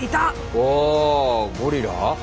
おおゴリラ？